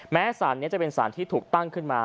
สารนี้จะเป็นสารที่ถูกตั้งขึ้นมา